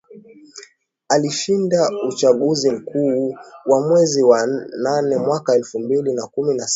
Alishinda uchaguzi mkuu wa mwezi wa nane mwaka elfu mbili na kumi na saba